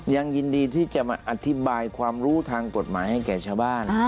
ยินดีที่จะมาอธิบายความรู้ทางกฎหมายให้แก่ชาวบ้าน